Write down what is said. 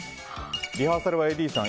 リハーサルはＡＤさん